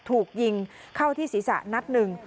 ถูกยิงเข้าที่ศีรษะนัดหนึ่ง